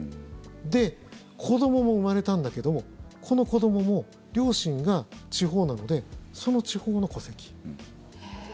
で、子どもも生まれたんだけどもこの子どもも両親が地方なのでその地方の戸籍。